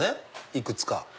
いくつか。